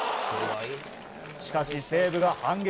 しかし、西武が反撃。